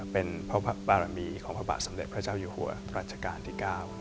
เป็นพระบาทสำเด็จพระเจ้าเจ้าหัวตัวราชการที่๙